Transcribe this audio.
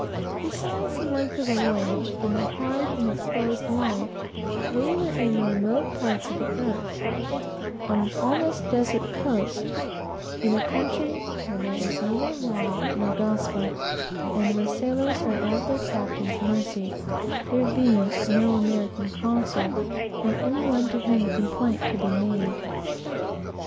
Beside the length of the voyage, and the hard and exposed life, we were at the ends of the earth; on a coast almost solitary; in a country where there is neither law nor gospel, and where sailors are at their captain's mercy, there being no American consul, or any one to whom a complaint could be made.